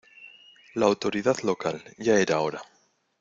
La autoridad local. Ya era hora .